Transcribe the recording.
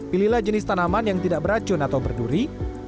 pilihlah jenis tanaman yang tidak beracun atau berduri